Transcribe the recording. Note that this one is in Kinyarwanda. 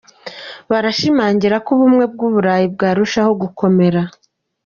Birashimangira ko Ubumwe bw'uburayi bwarushaho gukomera.